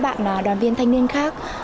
và cho các bạn đoàn viên thanh niên khác